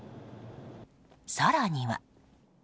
更には。